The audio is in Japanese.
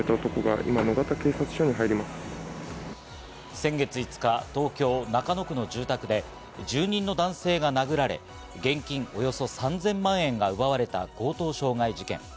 先月５日、東京・中野区の住宅で住人の男性が殴られ、現金およそ３０００万円が奪われた強盗傷害事件。